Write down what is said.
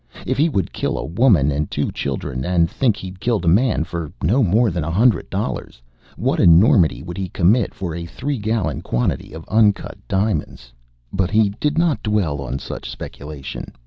If he would kill a woman and two children and think he'd killed a man for no more than a hundred dollars, what enormity would he commit for a three gallon quantity of uncut diamonds? But he did not dwell on such speculation.